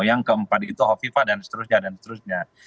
yang keempat itu hovifa dan seterusnya